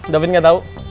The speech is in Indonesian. davin ga tau